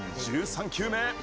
１３球目。